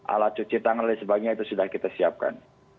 alat cuci tangan dan sebagainya itu sudah kita siapkan